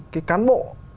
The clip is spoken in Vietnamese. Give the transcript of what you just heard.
cái cán bộ